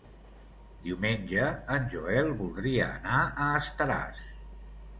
Diumenge en Joel voldria anar a Estaràs.